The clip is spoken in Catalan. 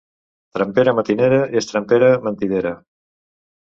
Trempera matinera és trempera mentidera.